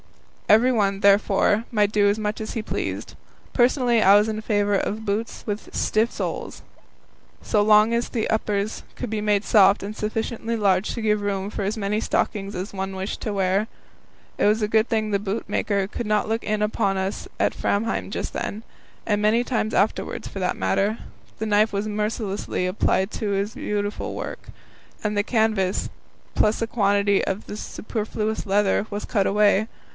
Everyone, therefore, might do as he pleased. Personally I was in favour of boots with stiff soles, so long as the uppers could be made soft and sufficiently large to give room for as many stockings as one wished to wear. It was a good thing the boot maker could not look in upon us at Framheim just then and many times afterwards, for that matter. The knife was mercilessly applied to all his beautiful work, and all the canvas, plus a quantity of the superfluous leather, was cut away.